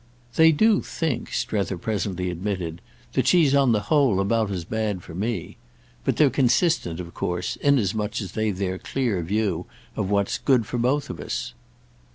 "They do think," Strether presently admitted, "that she's on the whole about as bad for me. But they're consistent of course, inasmuch as they've their clear view of what's good for both of us."